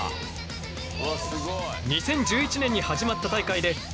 ２０１１年に始まった大会で。